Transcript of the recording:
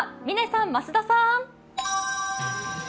嶺さん、増田さん？